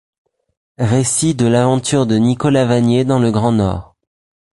Récit de l'aventure de Nicolas Vanier dans le grand Nord.